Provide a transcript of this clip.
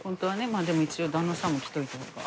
まぁでも一応旦那さんも着といた方が。